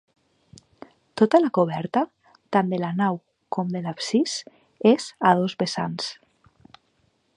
Tota la coberta, tant de la nau com de l'absis, és a dos vessants.